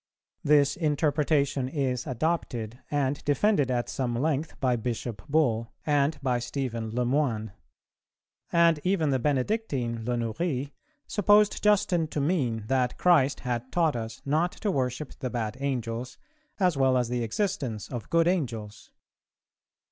This interpretation is adopted and defended at some length by Bishop Bull, and by Stephen Le Moyne; and even the Benedictine Le Nourry supposed Justin to mean that Christ had taught us not to worship the bad angels, as well as the existence of good angels.